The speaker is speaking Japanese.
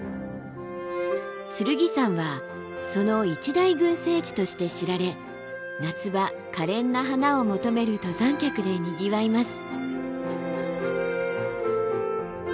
剣山はその一大群生地として知られ夏場かれんな花を求める登山客でにぎわいます。